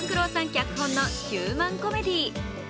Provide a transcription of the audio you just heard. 脚本のヒューマンコメディー。